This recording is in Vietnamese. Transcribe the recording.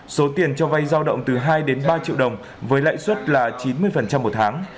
số tiền cho vay giao động từ hai đến ba triệu đồng với lãi suất là chín mươi một tháng